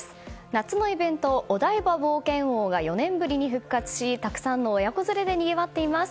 夏のイベント、お台場冒険王が４年ぶりに復活したくさんの親子連れでにぎわっています。